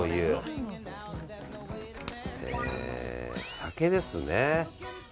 酒ですね。